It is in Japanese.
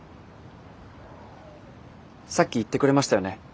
さっき言ってくれましたよね